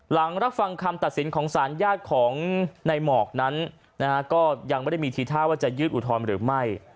หลังรับฟังคำตัดสินของสารญาติของในหมอกนั้นก็ยังไม่ได้มีทีท่าว่าจะยื่นอุทธรณ์หรือไม่